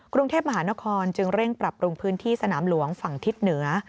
กรุงเทพมหานครจึงเร่งปรับปรุงพื้นที่สนามหลวงฝั่งทิศเหนือ